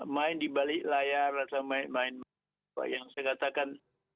main di balik layar atau main apa yang saya katakan